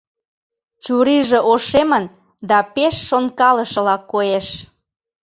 Чурийже ошемын да пеш шонкалышыла коеш.